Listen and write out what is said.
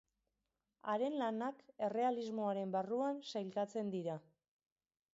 Haren lanak errealismoaren barruan sailkatzen dira.